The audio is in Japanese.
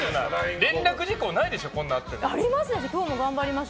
連絡事項ないでしょ。